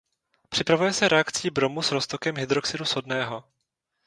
Připravuje se reakcí bromu s roztokem hydroxidu sodného.